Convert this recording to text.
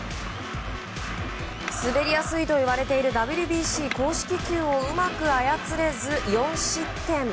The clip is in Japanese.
滑りやすいといわれているＷＢＣ公式球をうまく操れず４失点。